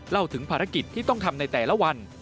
เล่าถึงภารกิจที่ต้องทำในแต่ละวัน